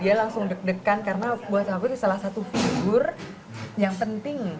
dia langsung deg degan karena buat aku itu salah satu figur yang penting